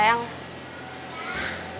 ya ngerti ga that trat